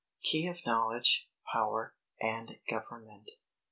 KEY OF KNOWLEDGE, POWER, AND GOVERNMENT.